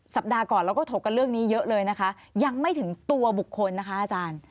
สัปดาห์ก่อนเราก็ถกกันเรื่องนี้เยอะเลยนะคะยังไม่ถึงตัวบุคคลนะคะอาจารย์